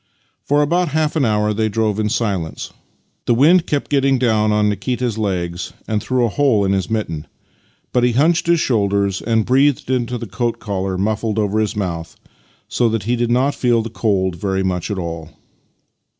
For about half an hour they drove in silence. The wind kept getting down Nikita's legs and through a hole in his mitten, but he hunched his shoulders and breathed into the coat collar muffled over his mouth, so that he did not feel the cold very much after all.